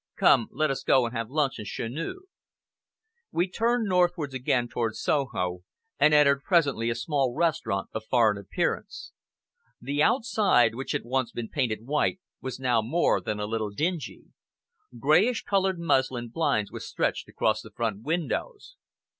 "Come, let us go and have luncheon chez nous." We turned northwards again towards Soho, and entered presently a small restaurant of foreign appearance. The outside, which had once been painted white, was now more than a little dingy. Greyish colored muslin blinds were stretched across the front windows.